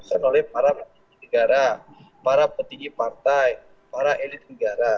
kuyuk itu tentu harus dicontohkan oleh para negara para petinggi partai para elit negara